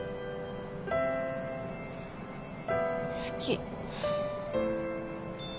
好き。